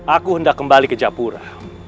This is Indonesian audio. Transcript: aku hendak kembali ke japura